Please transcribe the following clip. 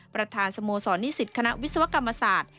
ประธานสโมสรนิสิตคณะวิศวกรรมศาสตร์